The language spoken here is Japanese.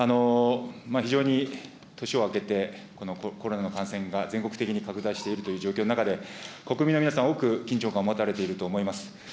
非常に、年を明けて、このコロナの感染が全国的に拡大しているという状況の中で、国民の皆さん、多く緊張感を持たれていると思います。